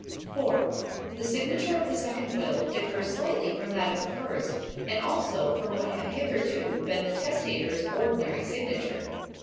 "4. The signature of the second will differs slightly from that of the first, and also from what had hitherto been the testator's ordinary signature.